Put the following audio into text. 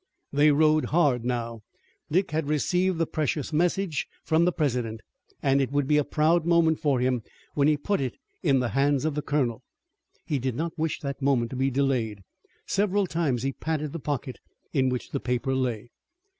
They rode hard now. Dick had received the precious message from the President, and it would be a proud moment for him when he put it in the hands of the colonel. He did not wish that moment to be delayed. Several times he patted the pocket in which the paper lay.